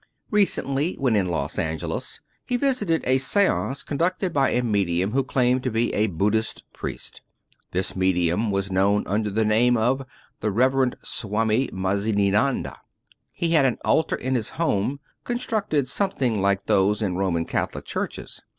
Recently, when in Los Angeles, he visited a seance con ducted by a medium who claimed to be a Buddhist priest. This medium was known under the name of " The Rev erend Swami Mazzininanda." He had an altar In his home, constructed something like those in Roman Catholic churches.